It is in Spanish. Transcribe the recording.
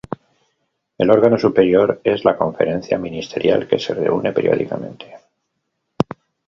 El órgano superior es la Conferencia Ministerial, que se reúne periódicamente.